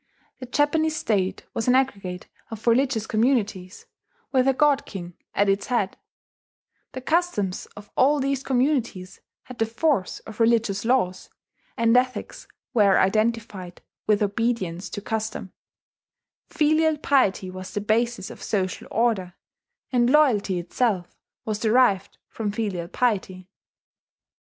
The Japanese State was an aggregate of religious communities, with a God King at its head; the customs of all these communities had the force of religious laws, and ethics were identified with obedience to custom; filial piety was the basis of social order, and loyalty itself was derived from filial piety.